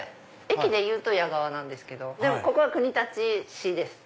駅でいうと矢川なんですけどでもここは国立市です。